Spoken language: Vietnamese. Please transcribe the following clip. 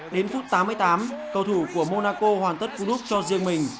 đến phút tám mươi tám cầu thủ của monaco hoàn tất cú đúc cho riêng mình